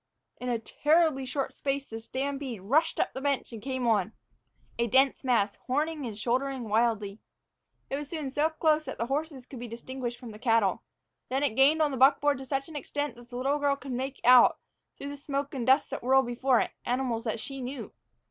In a terribly short space the stampede rushed up the bench and came on, a dense mass, horning and shouldering wildly. It was soon so close that the horses could be distinguished from the cattle. Then it gained on the buckboard to such an extent that the little girl could make out, through the smoke and dust that whirled before it, animals that she knew.